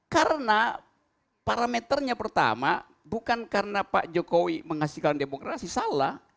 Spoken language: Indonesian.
karena parameternya pertama bukan karena pak jokowi menghasilkan demokrasi salah